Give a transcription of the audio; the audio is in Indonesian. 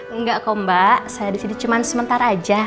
enggak kok mbak saya disini cuman sementara aja